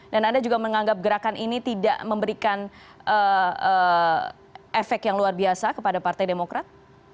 dan anda juga menganggap gerakan ini tidak memberikan efek yang luar biasa kepada partai demokrat